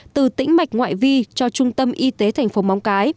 từ tĩnh mạch ngoại vi cho trung tâm y tế thành phố móng cái